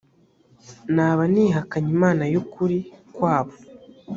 naba nihakanye imana y ukuri kwabo